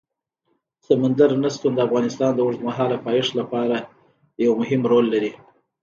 سمندر نه شتون د افغانستان د اوږدمهاله پایښت لپاره یو مهم رول لري.